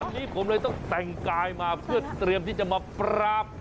ทีนี้ผมเลยต้องแต่งกายมาเพื่อเตรียมที่จะมาปราบ